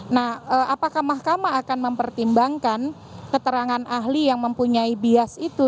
nah apakah mahkamah akan mempertimbangkan keterangan ahli yang mempunyai bias itu